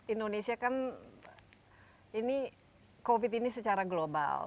indonesia kan ini covid ini secara global